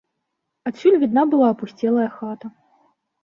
Адсюль відна была апусцелая хата.